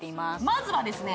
まずはですね